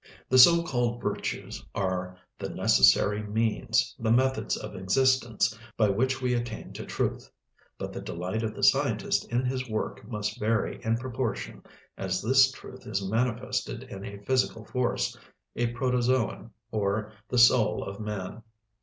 The so called virtues are the necessary means, the methods of existence by which we attain to truth; but the delight of the scientist in his work must vary in proportion as this truth is manifested in a physical force, a protozoan, or the soul of man.